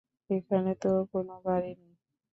এখানে তো কোনো বাড়ি নেই।